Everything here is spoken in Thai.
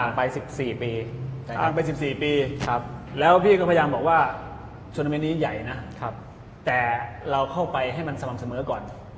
ไป๑๔ปีผ่านไป๑๔ปีแล้วพี่ก็พยายามบอกว่าซูนาเมนต์นี้ใหญ่นะแต่เราเข้าไปให้มันสม่ำเสมอก่อน